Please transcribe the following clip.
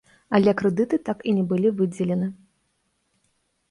Але крэдыты так і не былі выдзелены.